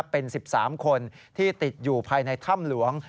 เป็น๑๓คนที่ติดอยู่ภายในถ้ำหลวง